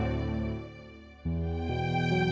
aku mau balik